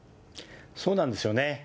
そうなんですよね。